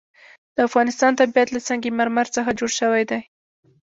د افغانستان طبیعت له سنگ مرمر څخه جوړ شوی دی.